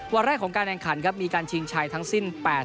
วันแรกของการแข่งขันครับมีการชิงชัยทั้งสิ้น